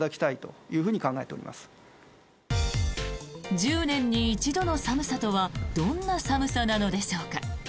１０年に一度の寒さとはどんな寒さなのでしょうか。